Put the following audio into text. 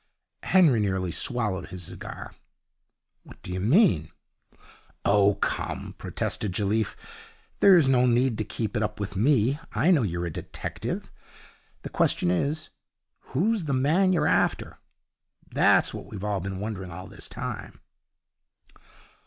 Henry nearly swallowed his cigar. 'What do you mean?' 'Oh, come,' protested Jelliffe; 'there's no need to keep it up with me. I know you're a detective. The question is, Who's the man you're after? That's what we've all been wondering all this time.'